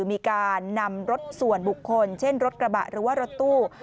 มีการนำรถส่วนบุคคลเช่นรถกระบะหรือว่ารถตู้